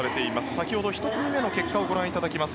先ほど１組目の結果をご覧いただきます。